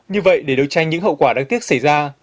như vậy để đấu tranh những hậu quả đáng tiếc xảy ra